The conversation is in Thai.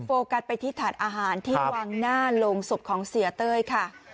โฟกัสไปที่ถาดอาหารที่วางหน้าโรงศพของเสียเต้ยค่ะ